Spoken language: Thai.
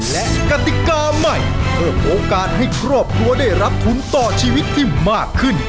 และกติกาใหม่เพิ่มโอกาสให้ครอบครัวได้รับทุนต่อชีวิตที่มากขึ้น